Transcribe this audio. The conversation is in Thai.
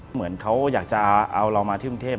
เหมือนเขาอยากจะเอาเรามาที่กรุงเทพ